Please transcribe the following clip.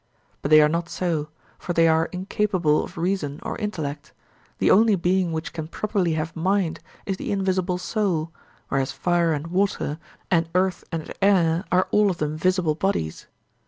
But they are not so, for they are incapable of reason or intellect; the only being which can properly have mind is the invisible soul, whereas fire and water, and earth and air, are all of them visible bodies.